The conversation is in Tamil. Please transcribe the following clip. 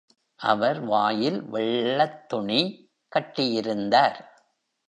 அவர் வாயில் வெள்ளத் துணி கட்டியிருந்தார்.